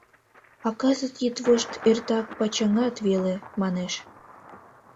А кызыт йӱдвошт эртак почаҥат веле, манеш.